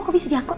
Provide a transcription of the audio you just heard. kok bisa diangkot